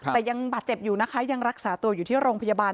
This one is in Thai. แต่ยังบาดเจ็บอยู่นะคะยังรักษาตัวอยู่ที่โรงพยาบาล